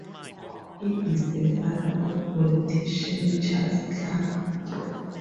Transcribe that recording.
He is the father of politician Charles Clarke.